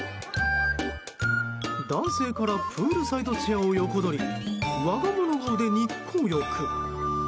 男性からプールサイドチェアを横取り、我が物顔で日光浴。